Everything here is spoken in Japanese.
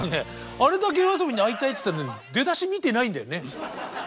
あれだけＹＯＡＳＯＢＩに会いたいって言ってたのに出だし見てないんだよね。